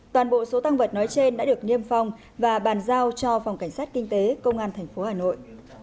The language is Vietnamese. toàn bộ số tăng vật nói trên đã được niêm phong và bàn giao cho phòng cảnh sát kinh tế công an tp hà nội